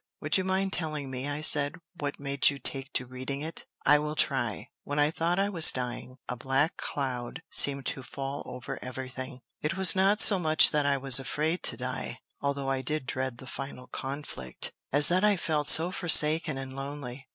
"Would you mind telling me," I said, "what made you take to reading it?" "I will try. When I thought I was dying, a black cloud seemed to fall over every thing. It was not so much that I was afraid to die, although I did dread the final conflict, as that I felt so forsaken and lonely.